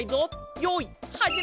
よいはじめ！